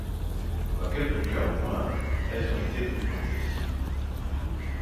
Dans quelques cas au moins, elles ont été documentées.